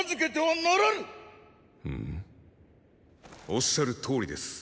おっしゃるとおりです。